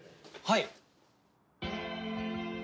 はい。